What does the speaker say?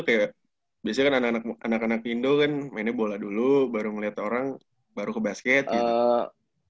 kayak biasanya kan anak anak indo kan mainnya bola dulu baru ngeliat orang baru ke basket gitu